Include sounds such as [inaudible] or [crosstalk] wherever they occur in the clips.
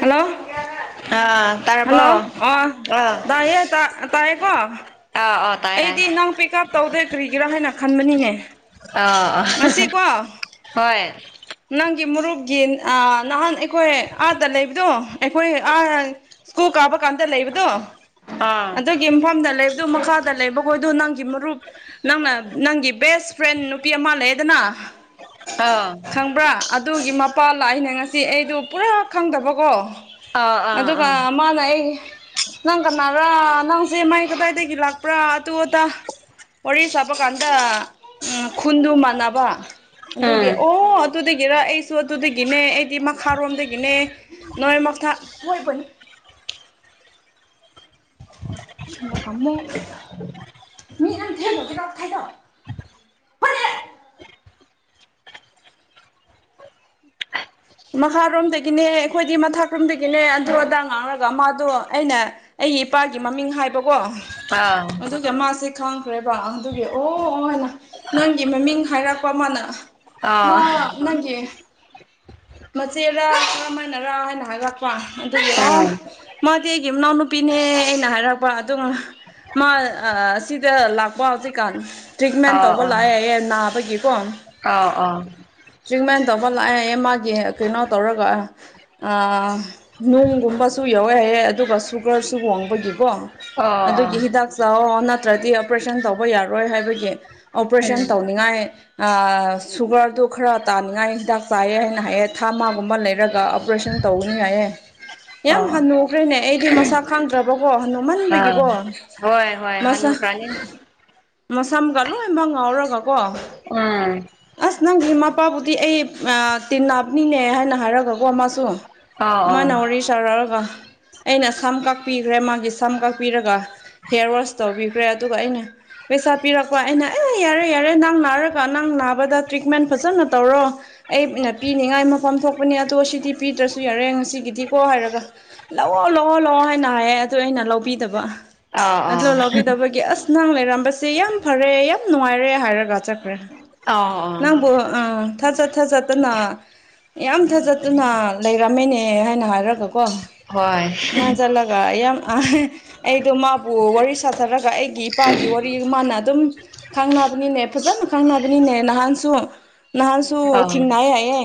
Hello ꯑꯥ hello ꯇꯥꯔꯕꯣ ꯑꯥ ꯇꯌꯦ ꯇꯥ ꯇꯌꯦ ꯀꯣ ꯑꯥ ꯑꯣ ꯑꯩꯗꯤ ꯅꯪ ꯄꯤꯛ ꯎꯞ ꯇꯧꯗꯣꯏ ꯀꯔꯤꯒꯤꯔꯥ ꯍꯥꯏꯅ ꯈꯟꯕꯅꯤꯅꯦ ꯑꯥ ꯉꯁꯤꯀꯣ ꯍꯣꯏ ꯅꯪꯒꯤ ꯃꯨꯔꯨꯞꯒꯤ ꯅꯍꯥꯟ ꯑꯩꯈꯣꯏ ꯑꯥꯗ ꯂꯩꯕꯗꯣ ꯑꯩꯈꯣꯏ ꯑꯥ ꯁ꯭ꯀꯨꯜ ꯀꯥꯕ ꯀꯥꯟꯗ ꯂꯩꯕꯗꯣ ꯑꯥ ꯑꯗꯨꯒꯤ ꯃꯐꯝꯗ ꯂꯩꯕꯗꯨ ꯃꯈꯥ ꯗ ꯂꯩꯕꯈꯣꯏꯗꯣ ꯅꯪꯒꯤ ꯃꯔꯨꯞ ꯅꯪꯅ ꯅꯪꯒꯤ ꯕꯦꯁ ꯐ꯭ꯔꯦꯟ ꯅꯨꯄꯤ ꯑꯃ ꯂꯩꯗꯅ ꯑꯥ ꯄ꯭ꯔꯥ ꯑꯗꯨꯒꯤ ꯃꯄꯥ ꯂꯥꯛꯏꯅꯦ ꯉꯁꯤ ꯑꯩꯗꯨ ꯄꯨꯔꯥ ꯈꯪꯗꯕꯀꯣ ꯑꯥ ꯑꯥ ꯑꯥ ꯑꯗꯨꯒ ꯃꯥꯅ ꯑꯩ ꯅꯪ ꯀꯅꯥꯔ ꯅꯪꯁꯦ ꯃꯥꯏ ꯀꯗꯥꯏꯗꯒꯤ ꯂꯥꯛ ꯄꯨꯔꯥ ꯑꯇꯨ ꯑꯇꯥ ꯋꯥꯔꯤ ꯁꯥꯄ ꯀꯥꯟꯗ ꯈꯨꯟꯗꯨ ꯃꯥꯟꯅꯕ ꯑꯗꯨꯒꯤ ꯎꯝ ꯑꯣ ꯑꯗꯨꯗꯒꯤꯔꯥ ꯑꯩ ꯁꯨ ꯑꯗꯨꯗꯒꯤꯅꯦ ꯑꯩꯗꯤ ꯃꯈꯥꯔꯣꯝꯗꯒꯤꯅꯦ ꯅꯣꯏ ꯃꯣꯏ ꯊꯥ [unintelligible] ꯃꯈꯥꯔꯣꯝꯗꯒꯤꯅꯦ ꯑꯩꯈꯣꯏꯗꯤ ꯃꯊꯛꯔꯣꯝꯗꯒꯤꯅꯦ ꯑꯗꯨ ꯑꯗꯥ ꯉꯥꯡꯉꯒ ꯃꯥꯗꯣ ꯑꯩꯅ ꯑꯩꯒꯤ ꯏꯄꯥꯒꯤ ꯃꯃꯤꯡ ꯍꯥꯏꯕꯀꯣ ꯑꯥ ꯑꯗꯨꯒ ꯃꯥꯁꯦ ꯈꯪꯈ꯭ꯔꯦꯕ ꯑꯗꯨꯒꯤ ꯑꯣꯅ ꯅꯪꯒꯤ ꯃꯃꯤꯡ ꯍꯥꯏꯔꯛꯄ ꯑꯃꯅ ꯑꯥ ꯃꯥ ꯑꯥ ꯅꯪꯒꯤ ꯃꯆꯦꯔ ꯀꯃꯥꯏꯅꯔꯥ ꯍꯥꯏꯅ ꯍꯥꯏꯒꯠꯄ ꯑꯗꯨꯒꯤ ꯑꯣ ꯑꯥ ꯃꯥꯗꯤ ꯑꯩꯒꯤ ꯃꯅꯥꯎꯅꯨꯄꯤꯅꯦ ꯑꯩꯅ ꯍꯥꯏꯔꯛꯄ ꯑꯗꯨꯝ ꯃꯥ ꯁꯤꯗ ꯂꯥꯛꯄ ꯍꯧꯎꯖꯤꯛ ꯀꯥꯟ ꯇ꯭ꯔꯤꯠꯃꯦꯟ ꯑꯥ ꯇꯧꯕ ꯂꯥꯛꯑꯦꯌꯦ ꯅꯥꯕꯒꯤꯀꯣ ꯑꯥꯎ ꯑꯥꯎ ꯇ꯭ꯔꯤꯠꯃꯦꯟ ꯇꯧꯕ ꯂꯥꯛꯑꯦ ꯃꯥꯒꯤ ꯀꯅꯣ ꯇꯧꯔꯒ ꯑꯥ ꯅꯨꯡꯒꯨꯝꯕꯁꯨ ꯌꯥꯎꯋꯦ ꯍꯥꯏꯌꯦ ꯑꯗꯨꯒ ꯁꯨꯒꯔꯁꯨ ꯋꯥꯡꯕꯒꯤꯀꯣ ꯑꯗꯨꯒꯤ ꯍꯤꯗꯥꯛ ꯆꯥꯑꯣ ꯅꯠꯇ꯭ꯔꯗꯤ ꯑꯣꯄꯔꯦꯁꯟ ꯇꯧꯕ ꯌꯥꯔꯣꯏ ꯍꯥꯏꯕꯒꯤ ꯑꯣꯄꯔꯦꯁꯟ ꯇꯧꯅꯤꯡꯉꯥꯏ ꯑꯥ ꯁꯨꯒꯔꯗꯨ ꯈꯔ ꯇꯥꯅꯤꯡꯉꯥꯏ ꯍꯤꯗꯥꯛ ꯆꯥꯏꯌꯦ ꯍꯥꯏ ꯅꯍꯥꯏꯌꯦ ꯊꯥ ꯃꯥꯒꯨꯝꯕ ꯂꯩꯔꯒ ꯑꯣꯄꯔꯦꯁꯟ ꯇꯧꯒꯅꯤ ꯍꯥꯏꯌꯦ ꯎꯝ ꯌꯥꯝ ꯑꯥ ꯍꯅꯨꯈ꯭ꯔꯦꯅꯦ ꯑꯩꯗꯤ ꯃꯁꯛ ꯈꯪꯗ꯭ꯔꯕꯀꯣ ꯍꯅꯨ ꯑꯥ ꯃꯟꯕꯒꯤꯀꯣ ꯍꯣꯏ ꯍꯣꯏ ꯍꯅꯨꯈꯔꯥꯅꯤ ꯃꯁꯝꯒ ꯂꯣꯏꯃꯛ ꯉꯧꯎꯔꯒ ꯀꯣ ꯎꯝ ꯑꯁ ꯅꯪꯒꯤ ꯃꯄꯥꯕꯨꯗꯤ ꯑꯩ ꯑꯥ ꯇꯤꯟꯅ ꯕꯅꯤꯅꯦ ꯍꯥꯏꯅ ꯍꯥꯏꯔꯒꯀꯣ ꯃꯥꯁꯨ ꯑꯥ ꯑꯥ ꯑꯗꯨꯃꯥꯏꯅ ꯋꯥꯔꯤ ꯁꯥꯔꯛꯑꯒ ꯑꯩꯅ ꯁꯝ ꯀꯛꯄꯤꯈ꯭ꯔꯦ ꯃꯥꯒꯤ ꯁꯝ ꯀꯛꯄꯤꯔꯒ ꯍꯤꯌꯔ ꯋꯥꯁ ꯇꯧꯕꯤꯈ꯭ꯔꯦ ꯑꯗꯨꯒ ꯑꯩꯅ ꯄꯩꯁꯥ ꯄꯤꯔꯛꯄ ꯑꯩꯅ ꯑꯦ ꯌꯥꯔꯦ ꯌꯥꯔꯦ ꯅꯪ ꯅꯥꯔꯒ ꯅꯪ ꯅꯥꯕꯗ ꯇ꯭ꯔꯤꯠꯃꯦꯟ ꯐꯖꯅ ꯇꯧꯔꯣ ꯑꯩꯞ ꯃꯤꯅ ꯄꯤꯅꯤꯡꯉꯥꯏ ꯃꯐꯝ ꯊꯣꯛꯄꯅꯦ ꯑꯗꯣ ꯁꯤꯗꯤ ꯄꯤꯗ꯭ꯔꯁꯨ ꯌꯥꯔꯦ ꯉꯁꯤꯒꯤꯗꯤꯀꯣ ꯍꯥꯏꯔꯒ ꯂꯧꯑꯣ ꯂꯧꯑꯣ ꯂꯧꯑꯣ ꯍꯥꯏꯅ ꯍꯥꯏꯌꯦ ꯑꯗꯨ ꯑꯩꯅ ꯂꯧꯕꯤꯗꯕ ꯑꯥ ꯑꯥ ꯑꯗꯣ ꯂꯧꯕꯤꯗꯕꯒꯤ ꯑꯁ ꯅꯪ ꯂꯩꯔꯝꯕꯁꯦ ꯌꯥꯝ ꯐꯔꯦ ꯌꯥꯝ ꯅꯨꯡꯉꯥꯏꯔꯦ ꯍꯥꯏꯔꯒ ꯆꯠꯈ꯭ꯔꯦ ꯑꯥ ꯑꯥ ꯅꯪꯕꯨ ꯑꯥ ꯊꯥꯆ ꯊꯥꯆꯠꯇꯅ ꯌꯥꯝ ꯊꯥꯖꯠꯇꯅ ꯂꯩꯔꯝꯃꯦꯅꯦ ꯍꯥꯏꯅ ꯍꯥꯏꯔꯒ ꯀꯣ ꯍꯣꯏ ꯃꯥꯏ ꯆꯠꯂꯒ ꯑ ꯌꯥꯝ ꯑꯍꯥ ꯑꯩꯗꯣ ꯃꯥꯕꯨ ꯋꯥꯔꯤ ꯁꯥꯊꯔꯒ ꯑꯩꯒꯤ ꯏꯄꯥꯒꯤ ꯋꯥꯔꯤ ꯃꯥꯅ ꯑꯗꯨꯝ ꯈꯪꯅꯕꯅꯤꯅꯦ ꯐꯖꯅ ꯈꯪꯅꯕꯅꯤꯅꯦ ꯅꯍꯥꯟꯁꯨ ꯅꯍꯥꯟꯁꯨ ꯑꯥ ꯊꯦꯡꯅꯩ ꯍꯥꯏꯌꯦ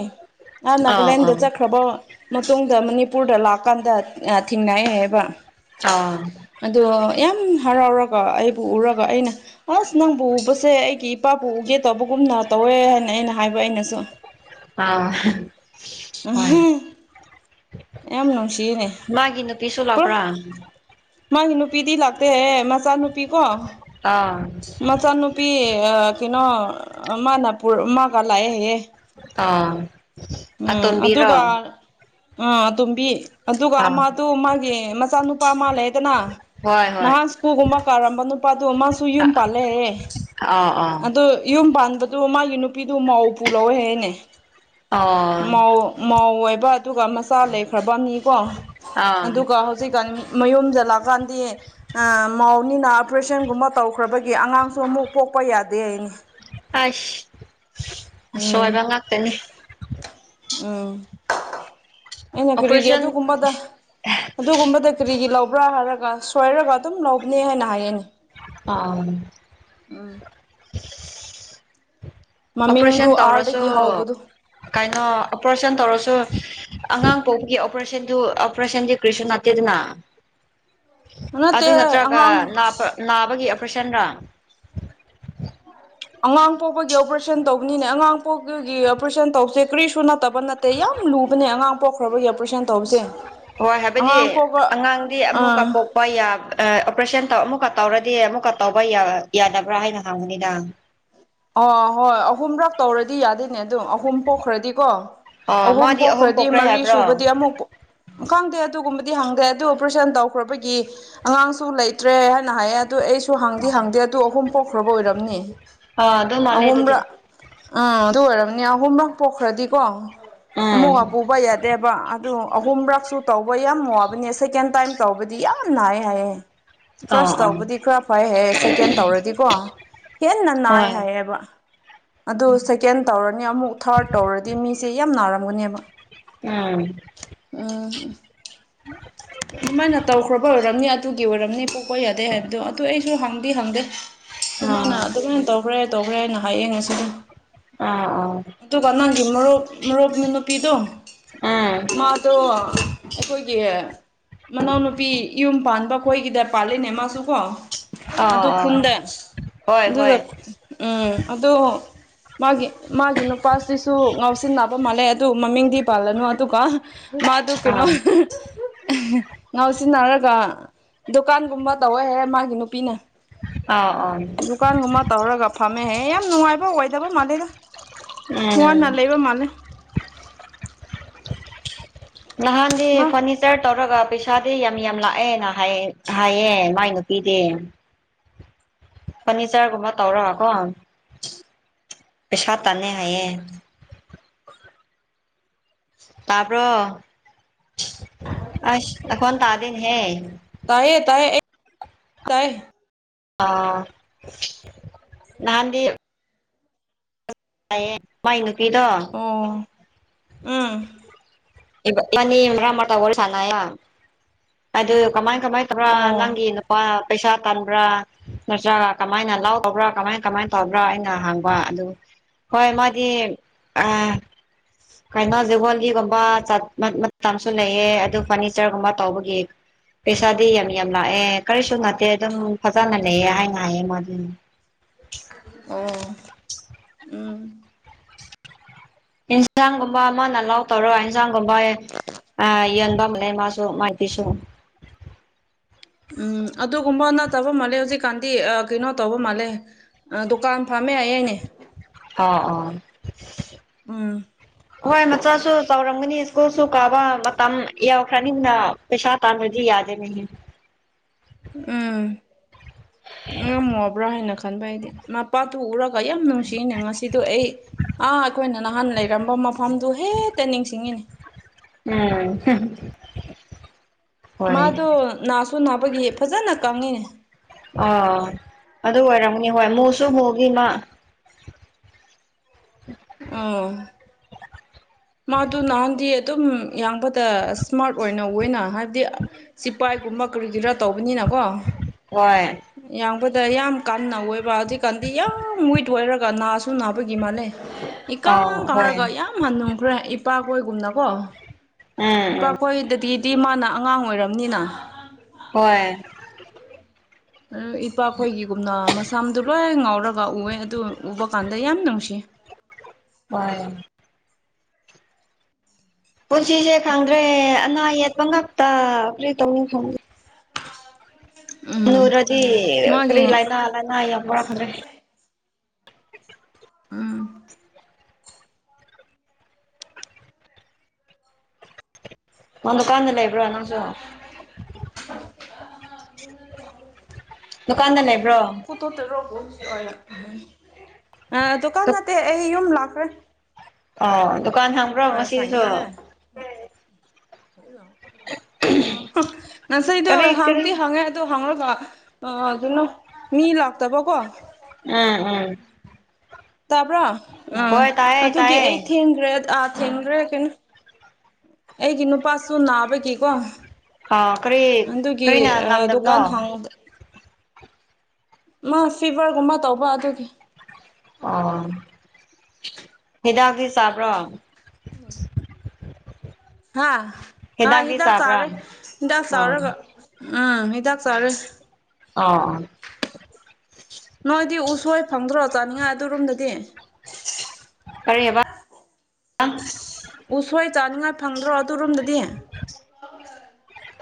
ꯑꯥ ꯅꯥꯒꯥꯂꯦꯟꯗ ꯆꯠꯈ꯭ꯔꯕ ꯃꯇꯨꯡꯗ ꯃꯅꯤꯄꯨꯔꯗ ꯂꯥꯛꯑꯀꯥꯟꯗ ꯊꯦꯡꯅꯩ ꯍꯥꯏꯕ ꯑꯥ ꯑꯗꯣ ꯌꯥꯝ ꯍꯔꯥꯎꯔꯒ ꯑꯩꯕꯨ ꯎꯔꯒ ꯑꯩꯅ ꯑꯁ ꯅꯪꯕꯨ ꯎꯕꯁꯦ ꯑꯩꯒꯤ ꯏꯄꯥꯕꯨ ꯎꯒꯦ ꯇꯧꯕꯒꯨꯝꯅ ꯇꯧꯋꯦ ꯍꯥꯏꯅ ꯑꯩꯅ ꯍꯥꯏꯕ ꯑꯩꯅꯁꯨ ꯑꯥ ꯍꯥ ꯍꯥ ꯎꯝꯍꯨꯝ ꯌꯥꯝ ꯅꯨꯡꯁꯤꯌꯦꯅꯦ꯫ ꯃꯥꯒꯤ ꯅꯨꯄꯤꯁꯨ ꯄꯨꯔꯥ ꯂꯥꯛꯄ꯭ꯔꯥ? ꯃꯥꯒꯤ ꯅꯨꯄꯤꯗꯤ ꯂꯥꯛꯇꯦꯍꯦ ꯃꯆꯥꯅꯨꯄꯤ ꯀꯣ ꯑꯥ ꯃꯆꯥ ꯅꯨꯨꯄꯤ ꯑꯥ ꯀꯩꯅꯣ ꯑ ꯃꯥꯅꯥ ꯄꯨꯔ ꯃꯒꯥ ꯂꯥꯛꯑꯦ ꯍꯥꯏꯌꯦ꯫ ꯑꯥ ꯎꯝ ꯑꯇꯣꯝꯕꯤꯔꯣ ꯑꯗꯨꯒ ꯎꯝ ꯑꯇꯨꯝꯕꯤ ꯑꯗꯨꯒ ꯑꯥ ꯑꯃ ꯇꯨ ꯃꯥꯒꯤ ꯃꯆꯥꯅꯨꯄꯥ ꯃꯥ ꯂꯩꯗꯅ ꯍꯣꯏ ꯍꯣꯏ ꯅꯍꯥꯟꯁ ꯁ꯭ꯀꯨꯜꯒꯨꯝꯕ ꯀꯥꯔꯝꯕ ꯅꯨꯄꯥꯗꯨ ꯃꯥꯁꯨ ꯌꯨꯝ ꯑꯥ ꯄꯥꯜꯂꯦ ꯍꯥꯏꯌꯦ꯫ ꯑꯥ ꯑꯗꯨ ꯌꯨꯝ ꯄꯥꯟꯕꯗꯨ ꯃꯥꯒꯤ ꯅꯨꯄꯤꯗꯨ ꯃꯧ ꯄꯨ ꯂꯧꯋꯦ ꯍꯥꯏꯌꯦꯅꯦ꯫ ꯑꯥ ꯃꯧ ꯃꯧ ꯑꯣꯏꯕ ꯑꯗꯨꯒ ꯃꯆꯥ ꯂꯩꯈ꯭ꯔꯕ ꯃꯤꯀꯣ ꯑꯥ ꯑꯗꯨꯒ ꯍꯧ ꯍꯧꯖꯤꯛꯀꯥꯟ ꯃꯌꯨꯝꯗ ꯂꯥꯛꯑꯀꯥꯟꯗꯤ ꯑꯥ ꯃꯧꯅꯤꯅ ꯑꯣꯄꯔꯦꯁꯟ ꯒꯨꯝꯕ ꯇꯧꯈ꯭ꯔꯕꯒꯤ ꯑꯉꯥꯡꯁꯨ ꯑꯃꯨꯛ ꯄꯣꯛꯄ ꯌꯥꯗꯦ ꯍꯥꯏꯅꯤ ꯑꯥꯏꯁ ꯎꯝ ꯎꯝ ꯑꯩꯅ ꯀꯔꯤꯒꯤ ꯑꯣꯄꯔꯦꯁꯟ ꯑꯗꯨ ꯒꯨꯝꯕꯗ ꯑꯗꯨꯒꯨꯝꯕꯗ ꯀꯔꯤꯒꯤ ꯂꯧꯕ꯭ꯔꯥ ꯍꯥꯏꯔꯒ ꯁꯣꯏꯔꯒ ꯑꯗꯨꯝ ꯂꯧꯕꯅꯦ ꯍꯥꯏꯅ ꯍꯥꯏꯌꯦꯅꯦ꯫ ꯑꯥꯡ ꯎꯝ ꯃꯃꯤꯡꯗꯨ ꯑꯣꯄꯔꯦꯁꯟ ꯇꯧꯔꯁꯨ ꯑꯥꯔꯗꯒꯤ ꯍꯧꯕꯗꯨ ꯀꯩꯅꯣ ꯑꯣꯄꯔꯦꯁꯟ ꯇꯧꯔꯁꯨ ꯑꯉꯥꯡ ꯄꯣꯛꯄꯒꯤ ꯑꯣꯄꯔꯦꯁꯟꯗꯨ ꯑꯣꯄꯔꯦꯁꯟꯗꯤ ꯀ꯭ꯔꯤꯁꯨ ꯅꯠꯇꯦꯗꯅ꯫ ꯅꯠꯇꯦ ꯑꯗꯨ ꯅꯠꯇ꯭ꯔꯒ ꯑꯉꯥꯡ ꯅꯥꯕ ꯅꯥꯕꯒꯤ ꯑꯣꯄꯔꯦꯁꯟꯔꯥ? ꯑꯉꯥꯡ ꯄꯣꯛꯄꯒꯤ ꯑꯣꯄꯔꯦꯁꯟ ꯇꯧꯕꯅꯤꯅꯦ ꯑꯉꯥꯡ ꯄꯣꯛꯄꯒꯤ ꯑꯣꯄꯔꯦꯁꯟ ꯇꯧꯁꯦ ꯀꯔꯤꯁꯨ ꯅꯠꯇꯕ ꯅꯠ ꯑꯇꯩ ꯌꯥꯝ ꯂꯨꯕꯅꯦ ꯑꯉꯥꯡ ꯄꯣꯛꯈ꯭ꯔꯕꯒꯤ ꯑꯣꯄꯔꯦꯁꯟ ꯇꯧꯕꯁꯦ ꯍꯣꯏ ꯍꯥꯏꯕꯗꯤ ꯑꯉꯥꯡ ꯄꯣꯛꯄ ꯑꯉꯥꯡꯗꯤ ꯑꯃꯨꯛ ꯑꯥ ꯀꯥꯄꯣꯛ ꯍꯣꯏ ꯑꯣꯄꯔꯦꯁꯟ ꯑꯃꯨꯛꯀ ꯇꯧꯔꯗꯤ ꯑꯃꯨꯛꯀ ꯇꯧꯕ ꯌꯥꯗꯕ꯭ꯔꯥ ꯍꯥꯏꯅ ꯍꯪꯉꯅꯤꯗ ꯑ ꯍꯣꯏ ꯑꯍꯨꯝꯔꯛ ꯇꯧꯔꯗꯤ ꯌꯥꯗꯦꯅꯦ ꯑꯗꯨꯝ ꯑꯍꯨꯝ ꯄꯣꯛꯈ꯭ꯔꯗꯤꯀꯣ ꯑꯣ ꯑꯍꯨꯝ ꯃꯥꯗꯤ ꯄꯣꯛꯈ꯭ꯔꯗꯤ ꯄꯣꯛꯈ꯭ꯔꯦ ꯃꯔꯤ ꯍꯥꯏꯕ꯭ꯔꯣ ꯑꯣ ꯁꯨꯕꯗꯤ ꯑꯃꯨꯛ ꯄ ꯈꯪꯗꯦ ꯑꯗꯨꯒꯨꯝꯕꯗꯤ ꯍꯪꯗꯦ ꯑꯗꯨ ꯑꯣꯄꯔꯦꯁꯟ ꯇꯧꯈ꯭ꯔꯕꯒꯤ ꯑꯉꯥꯡꯁꯨ ꯂꯩꯇ꯭ꯔꯦ ꯍꯥꯏꯅ ꯍꯥꯏꯌꯦ ꯑꯗꯨ ꯑꯩꯁꯨ ꯍꯥꯡꯗꯤ ꯍꯥꯡꯗꯦ ꯑꯗꯨ ꯑꯍꯨꯝ ꯄꯣꯛꯈ꯭ꯔꯕ ꯑꯣꯏꯔꯝꯅꯤ ꯑꯥ ꯑꯗꯨ ꯃꯥꯜꯂꯦ ꯑꯗꯨꯗꯤ ꯑꯍꯨꯝꯕꯔꯛ ꯎꯝ ꯑꯗꯨ ꯑꯣꯏꯔꯕꯅꯤ ꯑꯍꯨꯝꯕꯛ ꯄꯣꯛꯈ꯭ꯔꯗꯤꯀꯣ ꯎꯝ ꯃꯕꯨꯕ ꯌꯥꯔ ꯗꯦꯕ ꯑꯗꯨ ꯑꯍꯨꯝꯔꯛꯁꯨ ꯇꯧꯕ ꯌꯥꯝ ꯋꯥꯕꯅꯦ ꯁꯦꯀꯦꯟ ꯇꯥꯏꯝ ꯇꯧꯕꯗꯤ ꯌꯥꯝ ꯅꯥꯏ ꯍꯥꯏꯌꯦꯦ ꯑꯥ ꯐꯥꯔꯁ ꯑꯥ ꯇꯧꯕꯗꯤ ꯈꯔ ꯐꯩ ꯍꯥꯏ ꯁꯦꯀꯦꯟ ꯇꯧꯔꯗꯤꯀꯣ ꯍꯦꯟꯅ ꯅꯥꯏ ꯍꯣꯏ ꯍꯥꯏꯌꯦꯕ ꯑꯣ ꯁꯦꯀꯦꯟ ꯇꯧꯔꯅꯤ ꯑꯃꯨꯛ ꯊꯥꯔꯠ ꯇꯧꯔꯗꯤ ꯃꯤꯁꯦ ꯌꯥꯝ ꯅꯥꯔꯝꯒꯅꯦꯕ ꯎꯝ ꯎꯝ ꯑꯗꯨꯃꯥꯏꯅ ꯇꯧꯈ꯭ꯔꯕ ꯑꯣꯏꯔꯝꯅꯤ ꯑꯗꯨꯒꯤ ꯑꯣꯏꯔꯝꯅꯤ ꯊꯣꯛꯄ ꯌꯥꯗꯦ ꯍꯥꯏꯕꯗꯣ ꯑꯗꯨ ꯑꯩꯁꯨ ꯍꯪꯗꯤ ꯍꯪꯗꯦ ꯁꯃꯅ ꯑꯥ ꯑꯗꯨꯃꯥꯏꯅ ꯇꯧꯔ ꯇꯧꯈ꯭ꯔꯦ ꯇꯧꯈ꯭ꯔꯦ ꯍꯥꯏꯅ ꯍꯥꯏꯌꯦ ꯉꯁꯤꯗꯤ ꯑꯥ ꯑꯣ ꯑꯗꯨꯒ ꯅꯪꯒꯤ ꯃꯔꯣꯔꯣꯛ ꯃꯔꯣꯔꯣꯛ ꯅꯨꯨꯄꯤꯗꯣ ꯎꯝ ꯑꯥ ꯃꯥꯗꯣ ꯑꯩꯈꯣꯏꯒꯤ ꯃꯅꯥꯎꯅꯨꯄꯤ ꯌꯨꯝ ꯄꯥꯟꯕ ꯑꯩꯈꯣꯏꯒꯤꯗ ꯄꯥꯜꯂꯤꯅꯦ ꯃꯥꯁꯨ ꯀꯣ ꯑꯗꯨ ꯑꯥ ꯈꯨꯟꯗ ꯍꯣꯏ ꯑꯗꯨꯗ ꯍꯣꯏ ꯎꯝ ꯑꯗꯣ ꯃꯥꯒꯤ ꯃꯥꯒꯤ ꯅꯨꯄꯥꯁꯤꯁꯨ ꯉꯥꯎꯁꯤꯟꯅꯟꯅꯕ ꯃꯥꯜꯂꯦ ꯑꯗꯨ ꯃꯃꯤꯡꯗꯤ ꯄꯥꯜꯂꯅꯨ ꯑꯗꯨꯒ ꯃꯥꯗꯨ ꯀꯩꯅꯣ ꯑꯥ ꯑꯥ ꯉꯥꯎ ꯁꯤꯟꯅꯔꯒ ꯗꯨꯀꯥꯟꯒꯨꯝꯕ ꯇꯧꯋꯍ ꯃꯥꯒꯤ ꯅꯨꯄꯤꯅ ꯑꯥ ꯑ ꯗꯨꯀꯥꯟꯒꯨꯝꯕ ꯇꯧꯔꯒ ꯐꯝꯃꯦ ꯍꯦ ꯌꯥꯝ ꯅꯨꯡꯉꯥꯏꯕ ꯑꯣꯏꯗꯕ ꯃꯥꯜꯂꯦꯗ ꯋꯥꯅ ꯂꯩꯕ ꯃꯥꯜꯂꯦ ꯂꯍꯥꯟꯦ ꯃꯥ ꯐꯅꯤ ꯏꯁꯔ ꯇꯧꯔꯒ ꯄꯩꯁꯥꯗꯤ ꯌꯥꯝ ꯌꯥꯝ ꯂꯥꯛꯑꯦꯅ ꯍꯥꯏꯌꯦ ꯃꯥꯏ ꯅꯨꯄꯤꯗꯤ ꯐꯔꯅꯤꯆꯔꯒꯨꯝꯕ ꯇꯧꯔꯒꯀꯣ ꯄꯩꯁꯥ ꯇꯥꯟꯅꯩ ꯍꯥꯏꯌꯦ ꯇꯄ ꯑ ꯑꯣꯟ ꯇꯥꯗꯅ ꯍꯦ ꯇꯥꯏꯌꯦ ꯇꯥꯏꯌꯦ ꯑꯦ ꯇꯥꯏꯌꯦ ꯑ ꯅꯥꯟꯗꯤ ꯑꯌꯦ ꯃꯥꯏ ꯅꯨꯄꯤꯗꯣ ꯑꯣ ꯎꯝ ꯅꯤꯕ꯭ꯔꯥꯃ ꯇ ꯁꯅ ꯑꯗꯨ ꯀꯃꯥꯏ ꯀꯃꯥꯏ ꯇꯧꯔ ꯅꯪ ꯑꯣ ꯄ ꯄꯩꯁꯥ ꯀꯥꯟ꯭ꯔꯥ ꯅꯠꯇ꯭ꯔꯒ ꯀꯃꯥꯏꯅ ꯂꯥꯎꯗꯧꯕ꯭ꯔꯥ ꯀꯃꯥꯏ ꯀꯃꯥꯏꯅ ꯇꯧꯕ꯭ꯔꯥ ꯑꯩꯅ ꯍꯥꯡꯕ ꯑꯗꯨ ꯍꯣꯏ ꯃꯥꯗꯤ ꯑ ꯀꯥꯏꯅ ꯒꯜꯒꯤ ꯀ ꯃꯇꯝꯁꯨ ꯂꯩꯑ ꯑꯗꯨ ꯐꯔꯅꯤꯆꯔꯒꯨꯝꯕ ꯇꯧꯕꯒꯤ ꯄꯩꯁꯥꯗꯤ ꯌꯥꯝ ꯌꯥꯝ ꯂꯥꯛꯑꯦ ꯀꯔꯤꯁꯨ ꯉꯇꯦ ꯑꯗꯨꯝ ꯐꯖꯅ ꯂꯩꯌꯦ ꯍꯥꯏꯅ ꯍꯥꯏꯌꯦ ꯃꯥꯗꯨꯅꯦ ꯑꯣ [unintelligible] ꯎꯝ ꯏꯟꯁꯥꯡꯒꯨꯝꯕ ꯑꯃꯅ ꯂꯥꯎ ꯇꯧꯔꯣ ꯏꯟꯁꯥꯡꯒꯨꯝꯕ ꯑ ꯌꯟꯕ ꯑꯃ ꯂꯩ ꯃꯥꯁꯨ ꯃꯥꯏ ꯑꯩꯁꯨ ꯎꯝ ꯑꯗꯨꯒꯨꯝꯕ ꯅꯠꯇꯕ ꯃꯥꯜꯂꯦ ꯍꯧꯖꯤꯛꯀꯥꯟꯗꯤ ꯀꯩꯅꯣ ꯇꯧꯕ ꯃꯥꯜꯂꯦ ꯗꯨꯀꯥꯟ ꯐꯥꯝꯃꯦ ꯑꯩ ꯑꯩꯅꯦ ꯑꯥ ꯑꯥ ꯎꯝ ꯍꯣꯏ ꯃꯆꯥꯁꯨ ꯆꯥꯎꯔꯝꯒꯅꯤ ꯁ꯭ꯀꯨꯜꯁꯨ ꯀꯥꯕ ꯃꯇꯝ ꯌꯥꯎꯈ꯭ꯔꯅꯤꯅ ꯄꯩꯁꯥ ꯇꯥꯜꯂꯣꯗꯤ ꯌꯥꯗꯦꯃꯤ ꯎꯝ ꯉꯝꯃꯨꯕ꯭ꯔꯥ ꯍꯥꯏꯅ ꯈꯟꯕ ꯍꯥꯏꯗꯤ ꯃꯄꯥꯗꯨꯨ ꯎꯔꯒ ꯌꯥꯝ ꯅꯨꯡꯁꯤꯅꯦ ꯉꯁꯤꯗꯣ ꯑꯩ ꯑꯥ ꯑꯩꯈꯣꯏꯅ ꯅꯍꯥꯟ ꯂꯩꯔꯝꯕ ꯃꯐꯝꯗꯨ ꯍꯦꯛꯇ ꯅꯤꯡꯁꯤꯡꯉꯤꯅꯦ ꯎꯝ ꯍꯣꯏ ꯃꯥꯗꯣ ꯅꯥꯁꯨ ꯅꯥꯕꯒꯤ ꯐꯖꯅ ꯀꯪꯉꯤꯅꯦ ꯑꯣ ꯑꯗꯨ ꯑꯣꯏꯔꯝꯅꯤ ꯍꯣꯏ ꯃꯨꯁꯨ ꯃꯨꯕꯅꯤ ꯃꯥ ꯑ ꯃꯥꯗꯨ ꯅꯍꯥꯟꯗꯤ ꯑꯗꯨꯝ ꯌꯥꯡꯕꯗ ꯏꯁꯃꯥꯔꯠ ꯑꯣꯏꯅ ꯑꯣꯏꯅ ꯍꯥꯏꯕꯗꯤ ꯁꯤꯐꯥꯏꯒꯨꯝꯕ ꯀꯔꯤꯒꯤꯔꯥ ꯇꯧꯕꯅꯤꯅꯀꯣ ꯍꯣꯏ ꯌꯥꯡꯕꯗ ꯌꯥꯝ ꯀꯥꯟꯅ ꯑꯣꯏꯕ ꯑꯗꯨꯛꯀꯥꯟꯗꯤ ꯌꯥꯝ ꯋꯤꯠ ꯑꯣꯏꯔꯒ ꯅꯥꯁꯨ ꯅꯥꯕꯒꯤ ꯃꯥꯜꯂꯦ ꯏꯀꯪ ꯑꯥ ꯍꯣꯏ ꯀꯪꯔꯒ ꯌꯥꯝ ꯍꯟꯅꯨ ꯈ꯭ꯔꯦ ꯏꯄꯥ ꯀꯣꯏꯒꯨꯝꯅꯀꯣ ꯎꯝ ꯎꯝ ꯏꯄꯥꯈꯣꯏꯗꯒꯤꯗꯤ ꯃꯥꯅ ꯑꯉꯥꯡ ꯑꯣꯏꯔꯝꯅꯤꯅ ꯍꯣꯏ ꯑꯗꯨ ꯏꯄꯥꯈꯣꯏꯒꯤꯒꯨꯝꯅ ꯃꯁꯝꯗꯣ ꯂꯣꯏ ꯉꯥꯎꯔꯒ ꯎꯑꯦ ꯑꯗꯨ ꯎꯕ ꯀꯥꯟꯗ ꯌꯥꯝ ꯅꯨꯡꯁꯤ ꯍꯣꯏ ꯄꯨꯟꯁꯤꯁꯦ ꯈꯪꯗ꯭ꯔꯦ ꯑꯅꯥ ꯌꯦꯠꯄ ꯉꯥꯛꯇ ꯀꯔꯤ ꯇꯧꯅꯤ ꯈꯪꯗꯦ ꯎꯝ ꯍꯅꯨꯔꯗꯤ ꯀꯔꯤ ꯃꯥꯒꯤ ꯂꯥꯏꯅꯥ ꯂꯥꯏꯅꯥ ꯌꯥꯝ ꯋꯥꯛꯗ꯭ꯔꯦ ꯎꯝ ꯑ ꯗꯨꯀꯥꯟꯗ ꯂꯩꯕ꯭ꯔꯣ ꯅꯪꯁꯨ [unintelligible] ꯗꯨꯀꯥꯟꯗ ꯂꯩꯕ꯭ꯔꯣ ꯗꯨꯀꯥꯟ ꯅꯠꯇꯦ ꯑꯩ ꯌꯨꯝ ꯂꯥꯛꯈ꯭ꯔꯦ ꯑꯣ ꯗꯨꯀꯥꯟ ꯍꯥꯡꯕ꯭ꯔꯣ ꯉꯁꯤꯁꯨ ꯑ ꯉꯁꯤꯗꯨ ꯀꯔꯤ ꯀꯔꯤ ꯍꯪꯗꯤ ꯍꯪꯉꯦ ꯗꯨ ꯍꯪꯉꯒ ꯀꯩꯅꯣ ꯃꯤ ꯂꯥꯛꯇꯕꯀꯣ ꯎꯝ ꯎꯝ ꯇꯥꯕ꯭ꯔꯣ ꯎꯝ ꯍꯣꯏ ꯇꯥꯏꯌꯦ ꯑꯗꯨꯒꯤ ꯇꯥꯏꯌꯦ ꯑꯩ ꯊꯦꯡꯈ꯭ꯔꯦ ꯑꯥ ꯊꯦꯡꯈ꯭ꯔꯦ ꯀꯩꯅꯣ ꯑꯩꯒꯤ ꯅꯨꯄꯥꯁꯨ ꯅꯥꯕꯒꯤꯀꯣ ꯑꯥ ꯀꯔꯤ ꯑꯗꯨꯒꯤ ꯀꯔꯤꯅ ꯑ ꯉꯝꯗꯕꯅꯣ ꯗꯨꯀꯥꯟ ꯍꯥꯡ ꯃꯥ ꯐꯤꯚꯔꯒꯨꯝꯕ ꯇꯧꯕ ꯑꯗꯨꯒꯤ ꯑꯣ ꯍꯤꯗꯥꯛꯇꯤ ꯆꯥꯕ꯭ꯔꯣ ꯍꯥꯥ ꯍꯥ ꯍꯤꯗꯥꯛꯇꯤ ꯍꯤꯗꯥꯛ ꯆꯥꯕ꯭ꯔꯥ ꯆꯥꯔꯦ ꯍꯤꯗꯥꯛ ꯑꯥ ꯆꯥꯔꯒ ꯎꯝ ꯍꯤꯗꯥꯛ ꯆꯥꯔꯦ ꯑꯣ ꯅꯣꯏꯗꯤ ꯎꯁꯣꯏ ꯐꯪꯗ꯭ꯔꯣ ꯆꯥꯅꯤꯡꯉꯥꯏ ꯑꯗꯨꯔꯣꯝꯗꯗꯤ ꯀꯔꯤ ꯍꯥꯏꯕ ꯎꯁꯣꯏ ꯆꯥꯅꯤꯉꯥꯏ ꯐꯪꯗ꯭ꯔꯣ ꯑꯗꯨꯔꯣꯝꯗꯗꯤ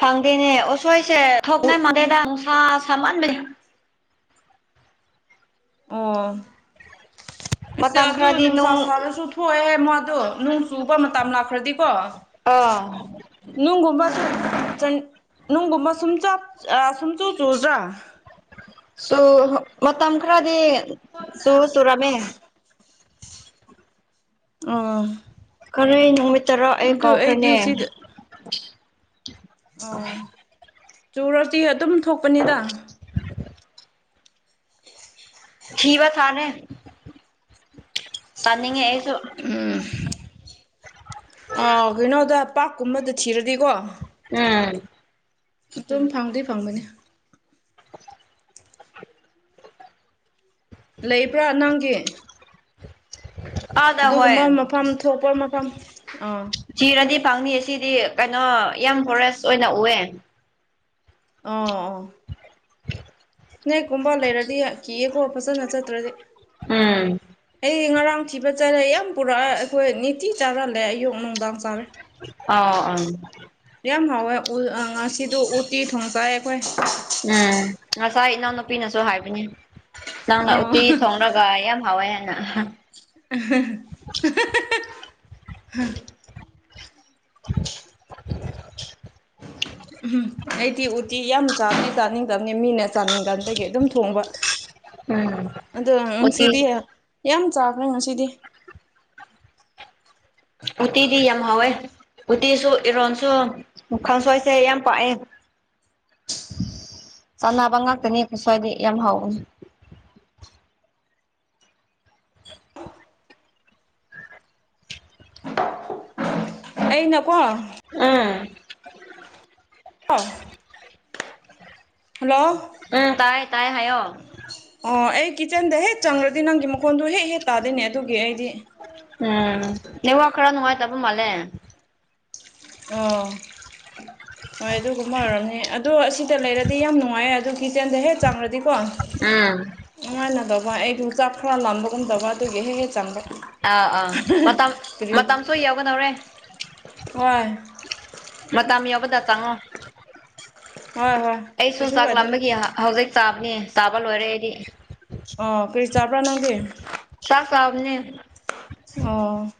ꯐꯪꯗꯦꯅꯦ ꯎꯁꯣꯏꯁꯦ ꯎ ꯊꯣꯛꯅꯩ ꯃꯗꯦꯗ ꯅꯨꯡꯁꯥ ꯁꯥꯝꯃꯟꯕꯩ ꯑꯣ ꯑꯁ ꯃꯇꯝ ꯑꯗꯨ ꯈꯔꯗꯤ ꯅꯨꯡꯁꯥ ꯅꯨꯡ ꯁꯥꯔꯁꯨ ꯊꯣꯛꯑꯣꯏꯑꯦ ꯍꯥꯏ ꯃꯗꯣ ꯅꯣꯡ ꯆꯨꯕ ꯃꯇꯝ ꯂꯥꯛꯈ꯭ꯔꯗꯤꯀꯣ ꯑꯥ ꯅꯨꯡꯒꯨꯝꯕ ꯁꯨꯝ ꯅꯨꯡꯒꯨꯝꯕ ꯁꯨꯝ ꯁꯨꯝꯆꯨ ꯆꯨꯗ꯭ꯔꯥ ꯆꯨ ꯃꯇꯝ ꯈꯔꯗꯤ ꯆꯨ ꯆꯨꯔꯝꯃꯦ ꯑꯥ ꯀꯔꯤ ꯅꯨꯃꯤꯠ ꯇꯔꯥ ꯑꯩ ꯑꯩꯗꯤ ꯀꯥꯎꯈ꯭ꯔꯦꯅꯦ ꯁꯤꯗ ꯑꯣ ꯆꯨꯔꯗꯤ ꯑꯗꯨꯝ ꯊꯣꯛꯄꯅꯤꯗ ꯊꯤꯕ ꯊꯥꯅꯦ ꯆꯥꯅꯤꯡꯉꯦ ꯑꯩꯁꯨ ꯎꯝ ꯑ ꯀꯩꯅꯣꯗ ꯄꯥꯛꯀꯨꯝꯕꯗ ꯊꯤꯔꯗꯤꯀꯣ [unintelligible] ꯑꯗꯨꯝ ꯐꯪꯗꯤ ꯐꯪꯕꯅꯤ ꯂꯩꯕ꯭ꯔꯥ ꯅꯪꯒꯤ [unintelligible] ꯑꯗꯨꯒꯨꯝꯕ ꯍꯣꯏ ꯃꯐꯝ ꯊꯣꯛꯄ ꯃꯐꯝ ꯑꯥ ꯆꯤꯔꯗꯤ ꯐꯪꯅꯤꯌꯦ ꯁꯤꯗꯤ ꯀꯩꯅꯣ ꯌꯥꯝ ꯐꯣꯔꯦꯁ ꯑꯣꯏꯅ ꯎꯑꯦ ꯑꯣ ꯏꯁꯅꯦꯛꯀꯨꯝꯕ ꯂꯩꯔꯗꯤ ꯀꯤꯌꯦꯀꯣ ꯐꯖꯅ ꯆꯠꯇ꯭ꯔꯗꯤ ꯎꯝ ꯑꯩ ꯉꯔꯥꯡ ꯊꯤꯕ ꯆꯔꯦ ꯌꯥꯝ ꯄꯨꯔꯛꯑ ꯑꯩꯈꯣꯏ ꯅꯤꯇꯤ ꯆꯥꯔꯜꯂꯦ ꯑꯌꯨꯛ ꯅꯨꯡꯗꯥꯡ ꯆꯥꯔꯦ ꯑ ꯑꯥ ꯌꯥꯝ ꯍꯥꯎꯋꯦ ꯉꯁꯤꯗ ꯎꯠꯇꯤ ꯊꯣꯡꯆꯥꯏ ꯑꯩꯈꯣꯏ ꯎꯝ ꯉꯁꯥꯏ ꯏꯅꯥꯎꯅꯨꯄꯤꯅꯁꯨ ꯍꯥꯏꯕꯅꯤ ꯅꯪꯅ ꯑꯣ ꯎꯇꯤ ꯊꯣꯡꯡꯂꯒ ꯌꯥꯝ ꯍꯥꯎꯋꯦ ꯍꯥꯏꯅ [unintelligible] [unintelligible] ꯑꯩꯗꯤ ꯎꯇꯤ ꯌꯥꯝ ꯆꯥꯅꯤ ꯆꯥꯅꯤꯡꯗꯕꯅꯤ ꯃꯤꯅ ꯆꯥꯅꯤꯡꯗꯕꯒꯤ ꯑꯗꯨꯝ ꯊꯣꯡꯕ ꯎꯝ ꯑꯗꯣ ꯎꯇꯤ ꯁꯤꯗꯤ ꯌꯥꯝ ꯆꯥꯈ꯭ꯔꯦ ꯉꯁꯤꯗꯤ ꯎꯇꯤꯗꯤ ꯌꯥꯝ ꯍꯥꯎꯋꯦ ꯎꯇꯤꯁꯨ ꯏꯔꯣꯟꯁꯨ ꯃꯈꯪ ꯁ ꯑꯩꯁꯦ ꯌꯥꯝ ꯄꯥꯛꯑꯦ ꯆꯥꯟꯅꯕ ꯉꯥꯛꯇꯅꯦꯀ ꯁ꯭ꯋꯥꯏꯗ ꯌꯥꯝ ꯍꯥꯎꯋꯅꯤ [unintelligible] ꯑꯩꯅꯀꯣ ꯎꯝ [unintelligible] ꯋꯥ [unintelligible] ꯍꯜꯂꯣ ꯎꯝ ꯇꯥꯏ ꯇꯥꯏ ꯍꯥꯏꯌꯣ ꯑꯣ ꯑꯩ ꯀꯤꯠꯆꯟꯗ ꯍꯦꯛ ꯆꯪꯈ꯭ꯔꯗꯤ ꯅꯪꯒꯤ ꯃꯈꯣꯟꯗꯨꯣ ꯍꯦꯛ ꯍꯦꯛ ꯇꯥꯗꯣꯏꯅꯦ ꯑꯗꯨꯒꯤ ꯑꯩꯗꯤ ꯎꯝ ꯅꯉ ꯈꯔ ꯅꯍꯥꯏ ꯇꯕꯨ ꯃꯂꯦ ꯑꯣ ꯍꯣꯏ ꯑꯗꯨꯒꯨꯝ ꯑꯣꯏꯔꯅꯤ ꯑꯗꯣ ꯑꯁꯤꯗ ꯂꯩꯔꯗꯤ ꯌꯥꯝ ꯅꯨꯡꯉꯥꯏꯌꯦ ꯑꯗꯨꯣ ꯀꯤꯠꯆꯦꯟꯗ ꯍꯦꯛ ꯆꯥꯡꯔꯗꯤꯀꯣ [unintelligible] ꯎꯝ ꯅꯨꯡꯉꯥꯏꯅꯗꯧꯕ ꯑꯩ ꯌꯣꯡꯆꯥꯛ ꯈꯔ ꯂꯥꯟꯕꯒꯨꯝꯗꯕ ꯑꯗꯨꯒꯤ ꯍꯦꯛ ꯍꯦꯛ ꯆꯥꯟꯕ ꯑꯥ ꯑꯥ ꯃꯇꯝ ꯃꯇꯝꯁꯨ ꯌꯥꯎꯒꯗꯧꯔꯦ ꯍꯣꯏ ꯃꯇꯝ ꯌꯥꯎꯕꯗ ꯆꯪꯉꯣ ꯍꯣꯏ ꯍꯣꯏ ꯑꯩꯁꯨ ꯀꯩꯁꯨ ꯆꯥꯛ ꯀꯥꯏꯗꯦꯗ ꯂꯥꯝꯕꯒꯤ ꯑꯍꯥꯛ ꯍꯧꯖꯤꯛ ꯆꯥꯕꯅꯤ ꯆꯥꯕ ꯂꯣꯏꯔꯦꯗꯤ ꯑꯣ ꯀ꯭ꯔꯤ ꯆꯄ꯭ꯔꯥ ꯅꯪꯗꯤ ꯆꯥꯛ ꯆꯥꯕꯅꯦ ꯑꯣ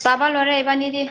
ꯆꯕꯥ ꯂꯔꯦ ꯏꯕꯥꯅꯤꯗꯤ